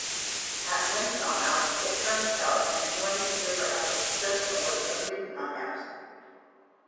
At Linton-on-Ouse it turns south and joins the River Ouse just north of Newton-on-Ouse.